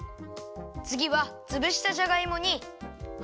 つぎはつぶしたじゃがいもにハム。